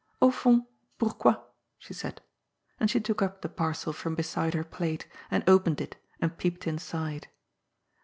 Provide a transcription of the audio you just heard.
'^ Au fond, pourquoi?" she said. And she took up the parcel from beside her plate, and opened it, and peeped inside.